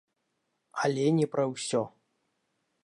Але не пра ўсе.